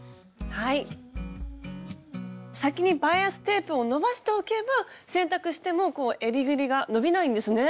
先にバイアステープを伸ばしておけば洗濯しても襟ぐりが伸びないんですね。